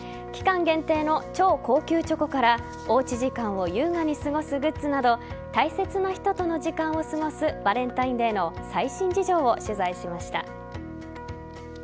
期間限定の超高級チョコからおうち時間を優雅に過ごすグッズなど大切な人との時間を過ごすバレンタインデーの最新事情を取材しました。